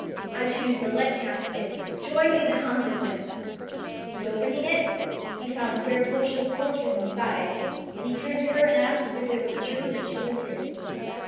I choose the lead casket ; joy be the consequence !" And open ing it, he found fair Portia's portrait inside, and he turned to her and asked if it were true that she was his.